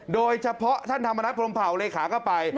โดยเฉพาะท่านธรรมนัฐพรมเผาเลขาก็ไป